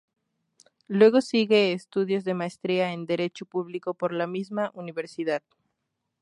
Luego sigue estudios de Maestría en Derecho Público por la misma universidad.